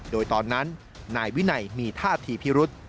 โดยตอนนั้นนายวินัยมีท่าทีพิรุษ